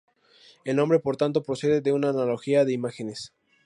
El nombre, por tanto, procede de una analogía de imágenes.